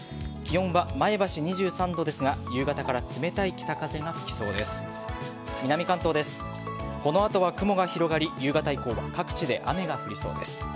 気温は前橋、２３度ですが夕方から冷たい北風が吹きそうです。